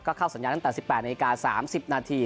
เข้าสัญญาณตั้งแต่๑๘นาที๓๐นาที